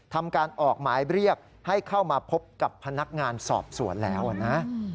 ทำการออกหมายเรียกให้เข้ามาพบกับพนักงานสอบสวนแล้วนะ